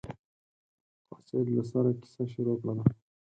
قاصد له سره کیسه شروع کړله.